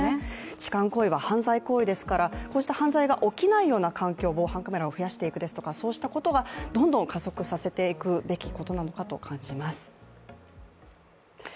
痴漢行為は犯罪行為ですからこうした犯罪が起きない環境を、環境、防犯カメラを増やしていくですとか、そうしたことがどんどん加速させていくべきことなのかと感じます。